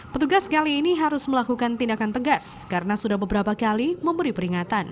petugas kali ini harus melakukan tindakan tegas karena sudah beberapa kali memberi peringatan